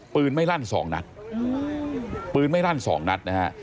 ปืนไม่ลั่นสองนัดปืนไม่ลั่นสองนัดนะฮะ